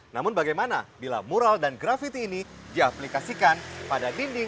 namun bagaimana dila mural dan graffity ini diaplikasikan di karyawan activity